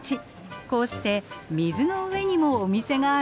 こうして水の上にもお店があるんです。